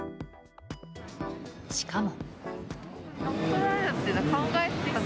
しかも。